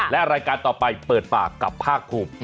และรายการต่อไปเปิดปากกับภาคภูมิ